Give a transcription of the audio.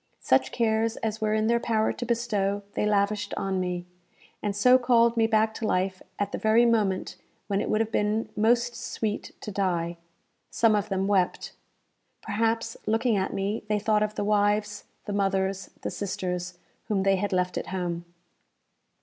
Such cares as were in their power to bestow they lavished on me; and so called me back to life at the very moment when it would have been most sweet to die. Some of them wept. Perhaps, looking at me, they thought of the wives, the mothers, the sisters, whom they had left at home.